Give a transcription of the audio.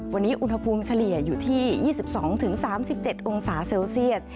วันนี้อุณหภูมิเฉลี่ยอยู่ที่๒๒๓๗องศาเซลเซียส